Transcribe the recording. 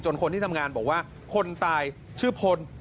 คนที่ทำงานบอกว่าคนตายชื่อพล